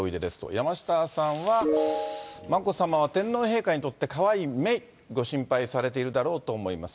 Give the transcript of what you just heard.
山下さんは、眞子さまは天皇陛下にとってかわいいめい、ご心配されているだろうと思います。